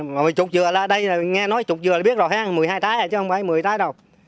một chục dừa là đây nghe nói chục dừa là biết rồi một mươi hai trái chứ không phải một mươi trái đâu